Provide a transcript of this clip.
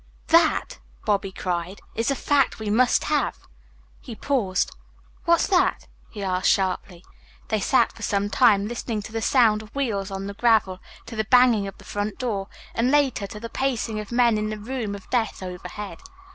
"That," Bobby cried, "is the fact we must have." He paused. "What's that?" he asked sharply. They sat for some time, listening to the sound of wheels on the gravel, to the banging of the front door, and, later, to the pacing of men in the room of death overhead.